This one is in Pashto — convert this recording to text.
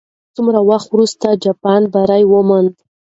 څومره وخت وروسته جاپان بری وموند؟